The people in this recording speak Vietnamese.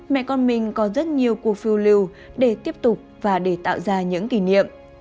mẹ con mình có rất nhiều cuộc phiêu lưu để tiếp tục và để tạo ra những kỷ niệm